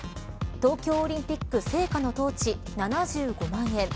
東京オリンピック聖火のトーチ７５万円。